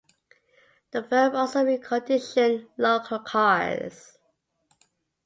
The firm also reconditioned local cars.